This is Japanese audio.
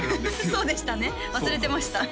そうでしたね忘れてました